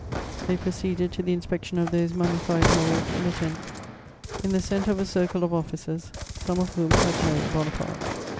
They proceeded to the inspection of those mummified moulds in a tent, in the centre of a circle of officers, some of whom had known Bonaparte.